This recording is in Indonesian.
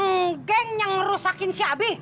nggeng ngerusakin si abi